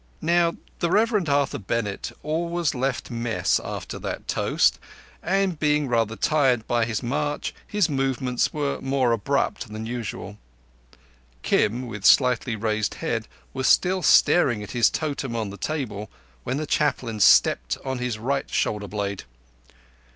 Now the Reverend Arthur Bennett always left Mess after that toast, and being rather tired by his march his movements were more abrupt than usual. Kim, with slightly raised head, was still staring at his totem on the table, when the Chaplain stepped on his right shoulder blade.